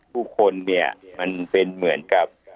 ผู้คนเนี่ยมันเป็นเหมือนกับ